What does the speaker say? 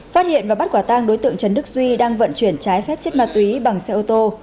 phát hiện và bắt quả tang đối tượng trần đức duy đang vận chuyển trái phép chất ma túy bằng xe ô tô